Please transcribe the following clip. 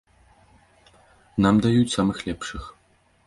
Нам даюць самых лепшых.